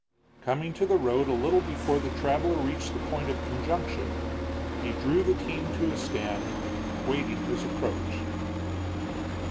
Coming to the road a little before the traveler reached the point of conjunction, he drew the team to a stand, waiting his approach.